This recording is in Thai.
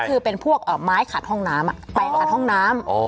คือเป็นพวกไม้ขัดห้องน้ำแปลงขัดห้องน้ำ